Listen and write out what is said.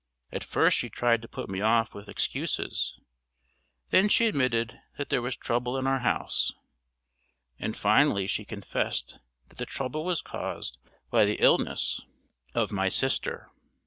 At first she tried to put me off with excuses; then she admitted that there was trouble in our house; and finally she confessed that the trouble was caused by the illness of my sister.